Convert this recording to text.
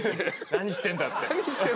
何してんだって。